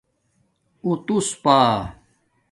اُوتُوس پݳ